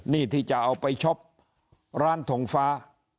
นี่ที่จะเอาไปช็อปร้านทงฟ้า